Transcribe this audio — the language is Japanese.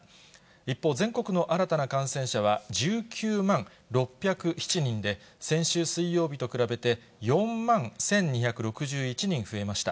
一方、全国の新たな感染者は１９万６０７人で、先週水曜日と比べて４万１２６１人増えました。